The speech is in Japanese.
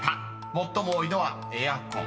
［最も多いのはエアコン。